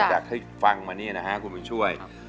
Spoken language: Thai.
อยากให้ฟังมานี่นะฮะคุณบุญช่วย